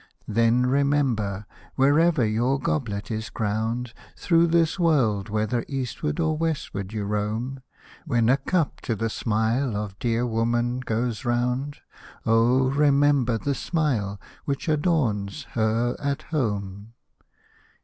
Then remember, wherever your goblet is crowned. Thro' this world, whether eastward or westward you roam, When a cup to the smile of dear woman goes round. Oh ] remember the smile which adorns her at home.